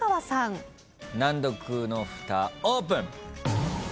難読のふたオープン！